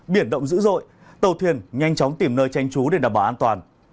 biển động dữ dội tàu thuyền nhanh chóng tìm nơi tránh trú để đảm bảo an toàn